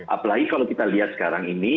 apalagi kalau kita lihat sekarang ini